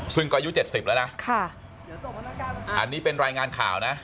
ซึ่งก็อายุ๗๐แล้วนะอันนี้เป็นรายงานข่าวนะ